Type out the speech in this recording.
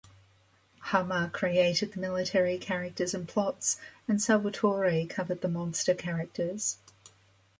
Hama created the military characters and plots, and Salvatore covered the monster characters.